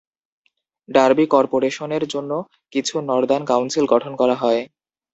Derby কর্পোরেশনের জন্য কিছু নর্দার্ন কাউন্সিল গঠন করা হয়।